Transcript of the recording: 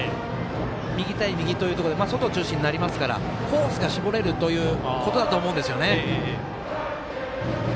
右対右ということで外中心になりますからコースが絞れるということだと思うんですよね。